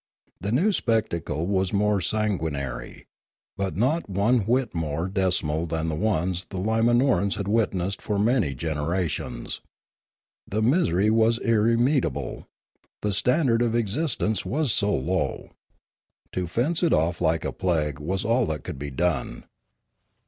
The new spectacle was more sanguinary, but not one whit more dismal than the ones the Lima norans had witnessed for many generations. The misery was irremediable, the standard of existence was so low. To fence it off like a plague was all that could be done.